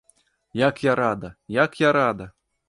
Як я рада, як я рада!